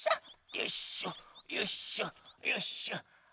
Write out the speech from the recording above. よいしょよいしょよいしょ。